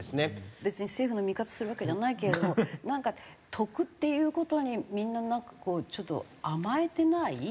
別に政府の味方するわけじゃないけれどもなんか得っていう事にみんななんかこうちょっと甘えてない？っていう。